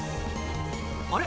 あれ？